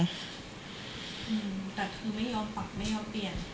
อืมแต่คือไม่ยอมปรับไม่ยอมเปลี่ยน